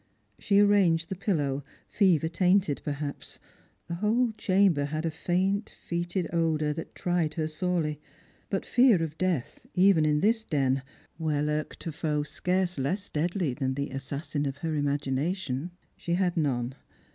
She arranged the pillow, fever tainted perhaps; the whole chamber had a faint foetid odour that tried her sorely. But fear of death, even in this den, where lurked a foe scarce lesa deadly than the assassin of her imagination, she had none.